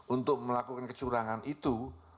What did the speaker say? untuk melakukan kecurangan itu